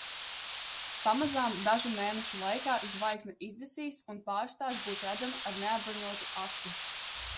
Pamazām dažu mēnešu laikā zvaigzne izdzisīs un pārstās būt redzama ar neapbruņotu aci.